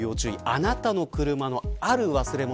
あなたの車のある忘れ物